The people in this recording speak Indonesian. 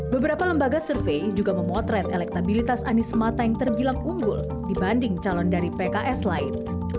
beberapa lembaga survei juga memotret elektabilitas anies mata yang terbilang unggul dibanding calon dari pks lain